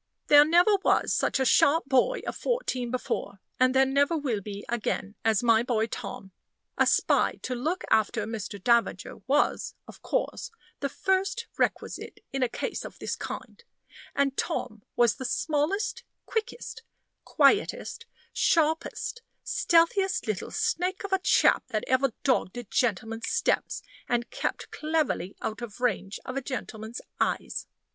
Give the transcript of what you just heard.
There never was such a sharp boy of fourteen before, and there never will be again, as my boy Tom. A spy to look after Mr. Davager was, of course, the first requisite in a case of this kind; and Tom was the smallest, quickest, quietest, sharpest, stealthiest little snake of a chap that ever dogged a gentleman's steps and kept cleverly out of range of a gentleman's eyes.